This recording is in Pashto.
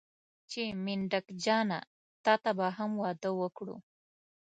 چې منډک جانه تاته به هم واده وکړو.